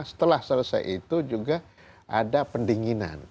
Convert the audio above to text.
setelah selesai itu juga ada pendinginan